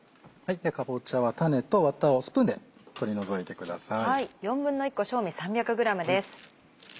かぼちゃは種とワタをスプーンで取り除いてください。